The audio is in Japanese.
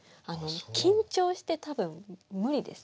緊張して多分無理です。